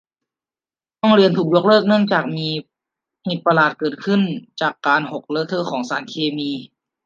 ห้องเรียนถูกยกเลิกเนื่องจากมีเหตุประหลาดเกิดขึ้นจากการหกเลอะเทอะของสารเคมี